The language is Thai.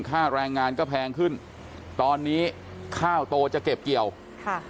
ค่าแรงงานก็แพงขึ้นตอนนี้ข้าวโตจะเก็บเกี่ยวค่ะ